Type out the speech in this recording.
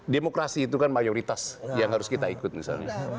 demokrasi itu kan mayoritas yang harus kita ikut misalnya